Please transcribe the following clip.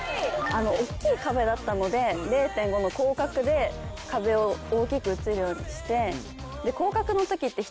大っきい壁だったので０．５の広角で壁を大きく写るようにして。